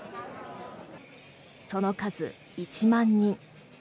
その数、１万人。